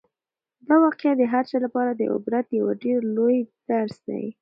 دا واقعه د هر چا لپاره د عبرت یو ډېر لوی درس دی.